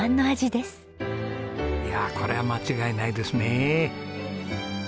いやあこれは間違いないですね。